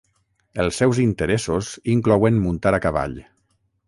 Els seus interessos inclouen muntar a cavall.